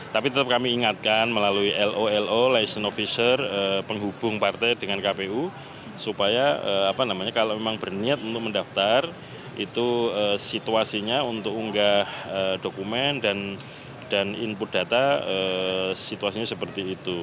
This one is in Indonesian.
tapi tetap kami ingatkan melalui lo lo licent officer penghubung partai dengan kpu supaya kalau memang berniat untuk mendaftar itu situasinya untuk unggah dokumen dan input data situasinya seperti itu